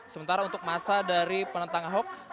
sementara untuk masa dari penentang ahok